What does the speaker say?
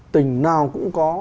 tỉnh nào cũng có